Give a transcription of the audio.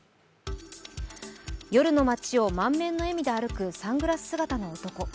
夜の街を満面の笑みで歩くサングラス姿の男。